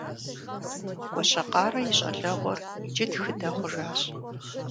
Гуащэкъарэ и щӀалэгъуэр иджы тхыдэ хъужащ.